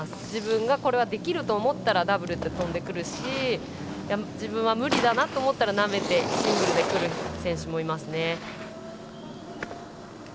自分が、これはできると思ったらダブルでとんでくるし自分は無理だと思ったら、なめてシングルでとぶ選手もいます。